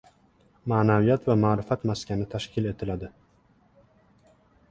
Ma’naviyat va ma’rifat maskani tashkil etiladi